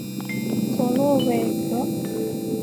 佐洛韦格。